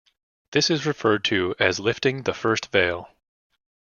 This is referred to as lifting the first veil.